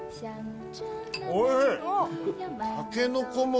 おいしい。